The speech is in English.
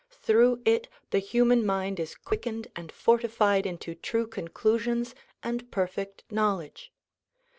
Through it the human mind is quickened and fortified into true conclusions and perfect knowledge.